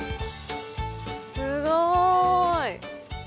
すごい！